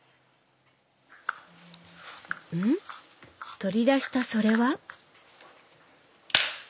取り出したそれは？